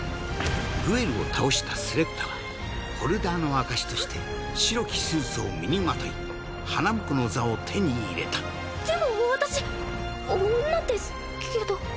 グエルを倒したスレッタはホルダーの証しとして白きスーツを身にまとい花婿の座を手に入れたでも私女ですけど。